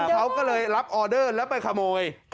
เขาก็เลยรับออเดอร์แล้วไปขโมย